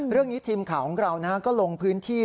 เรื่องนี้ทีมข่าวของเราก็ลงพื้นที่